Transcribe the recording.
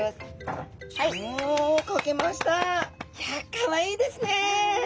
いやかわいいですね！